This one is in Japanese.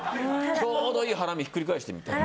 ちょうどいいハラミひっくり返してみて。